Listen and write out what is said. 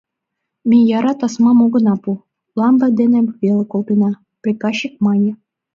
— Ме яра тасмам огына пу, лампе дене веле колтена, — приказчик мане.